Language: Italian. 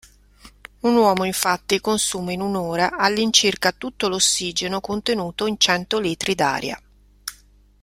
Un uomo infatti consuma in un'ora all'incirca tutto l'ossigeno contenuto in cento litri d'aria.